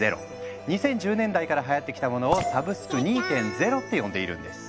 ２０１０年代からはやってきたものを「サブスク２．０」って呼んでいるんです。